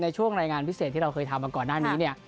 ในช่วงรายงานพิเศษที่เคยทำมาก่อนหน้านี้